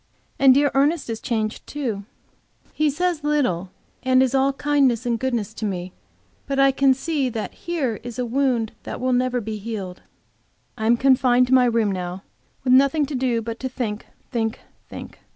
And dear Ernest is changed, too. He says little, and is all kindness and goodness to me, but I can see here is a wound that will never be healed. I am confined to my room now with nothing do but to think, think, think.